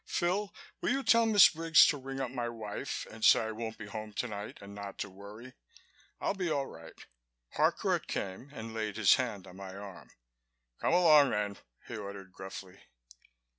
Phil, will you tell Miss Briggs to ring up my wife and say I won't be home tonight and not to worry. I'll be all right." Harcourt came and laid his hand on my arm. "Come along then," he ordered gruffly.